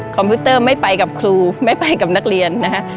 พิวเตอร์ไม่ไปกับครูไม่ไปกับนักเรียนนะฮะ